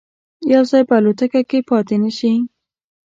یو ځای به الوتکه کې پاتې نه شي.